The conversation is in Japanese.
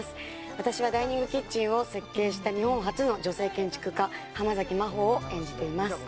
私はダイニングキッチンを設計した日本初の女性建築家浜崎マホを演じています。